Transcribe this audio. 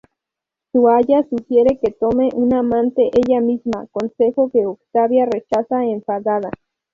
Su aya sugiere que tome un amante ella misma, consejo que Octavia rechaza enfadada.